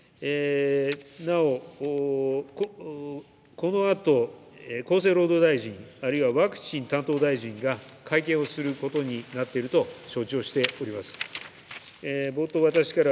なお、このあと厚生労働大臣あるいはワクチン担当大臣が、会見をすることになっていると承知をしております。